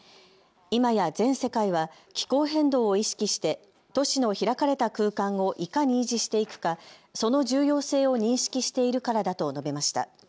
今や全世界は気候変動を意識して都市の開かれた空間をいかに維持していくかその重要性を認識しているからだと述べました。